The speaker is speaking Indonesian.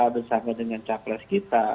bersama dengan capres kita